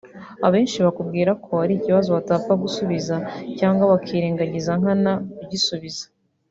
abenshi bakubwira ko ari ikibazo batapfa gusubiza cyangwa bakirengagiza nkana kugisubiza